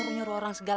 ini karena hassan